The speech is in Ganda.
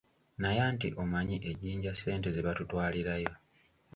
Naye anti omanyi e jjinja ssente ze batutwalirayo.